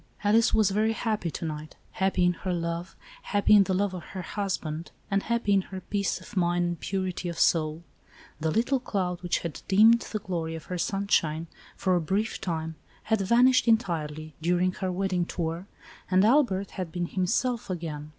Alice was very happy to night, happy in her love, happy in the love of her husband and happy in her peace of mind and purity of soul. The little cloud, which had dimmed the glory of her sunshine, for a brief time, had vanished entirely during her wedding 94 ALICE ; OR, THE WAGES OF SIN. tour, and Albert had been himself again.